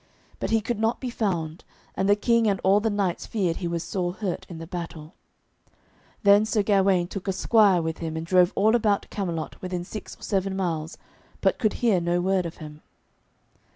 But he could not be found, and the King and all the knights feared he was sore hurt in the battle. Then Sir Gawaine took a squire with him and drove all about Camelot within six or seven miles, but could hear no word of him.